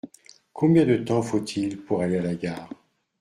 Combien de temps faut-il pour aller à la gare ?